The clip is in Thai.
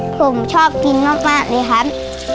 ผมชอบกินมากเลยครับ